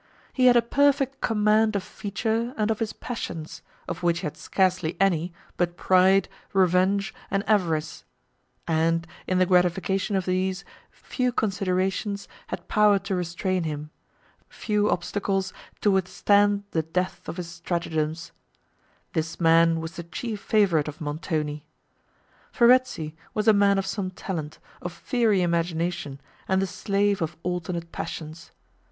He had a perfect command of feature and of his passions, of which he had scarcely any, but pride, revenge and avarice; and, in the gratification of these, few considerations had power to restrain him, few obstacles to withstand the depth of his stratagems. This man was the chief favourite of Montoni. Verezzi was a man of some talent, of fiery imagination, and the slave of alternate passions.